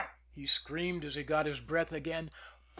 he screamed, as he got his breath again.